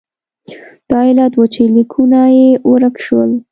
دا علت و چې لیکونه یې ورک شول.